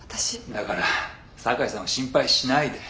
だから坂井さんは心配しないで。